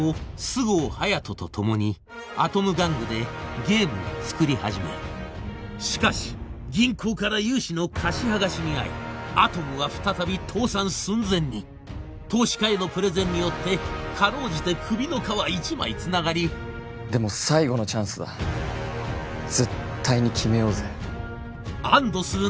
菅生隼人とともにアトム玩具でゲームを作り始めるしかし銀行から融資の貸し剥がしに遭いアトムは再び倒産寸前に投資家へのプレゼンによってかろうじて首の皮一枚つながりでも最後のチャンスだ絶っ対に決めようぜ安堵する